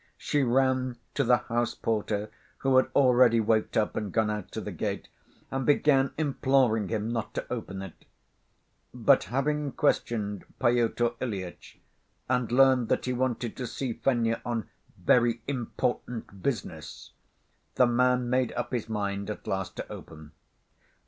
She ran to the house‐porter, who had already waked up and gone out to the gate, and began imploring him not to open it. But having questioned Pyotr Ilyitch, and learned that he wanted to see Fenya on very "important business," the man made up his mind at last to open.